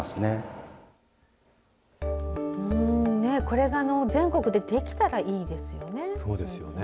これが全国でできたらいいですよね。